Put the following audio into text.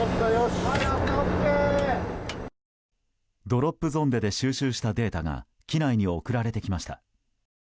ドロップゾンデで収集したデータが機内に送られてきました。